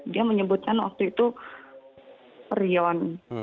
dia menyebutkan waktu itu rion